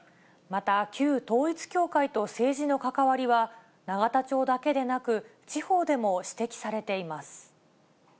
また、旧統一教会と政治の関わりは、永田町だけでなく、地方でも指摘されています。